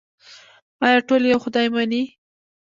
آیا ټول یو خدای مني؟